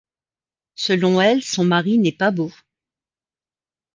Selon elle, son mari n’est pas beau.